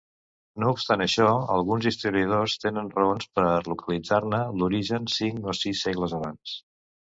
No obstant això, alguns historiadors tenen raons per localitzar-ne l'origen cinc o sis segles abans.